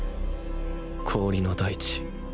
氷の大地。